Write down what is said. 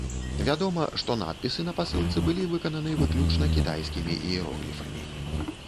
Вядома, што надпісы на пасылцы былі выкананы выключна кітайскімі іерогліфамі.